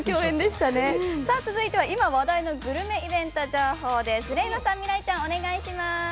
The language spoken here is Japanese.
続いては今話題のグルメイベント情報です。